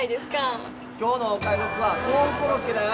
今日のお買い得は豆腐コロッケだよ。